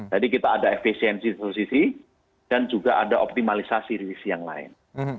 jadi kita ada efisiensi di satu sisi dan juga ada optimalisasi di sisi yang lain